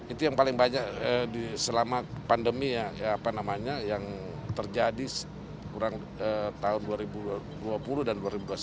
itu yang paling banyak selama pandemi ya apa namanya yang terjadi kurang tahun dua ribu dua puluh dan dua ribu dua puluh satu